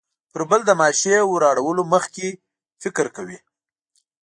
پر بل د ماشې وراړولو مخکې فکر کوي.